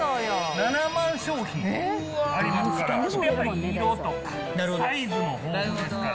７万商品ありますから。